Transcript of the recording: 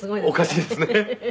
おかしいですね。